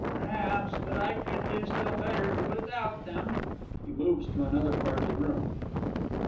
Perhaps but I could do still better without them. [_He moves to another part of the room.